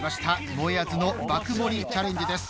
もえあずの爆盛りチャレンジです。